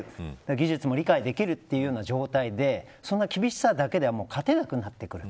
技術も理解できるというような状態でそんな厳しさだけでは勝てなくなってくる。